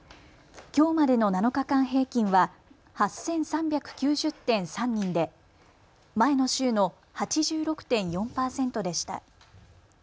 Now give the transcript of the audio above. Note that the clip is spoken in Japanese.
きょうまでの７日間平均は８３９０．３人で前の週の８６．４％でした。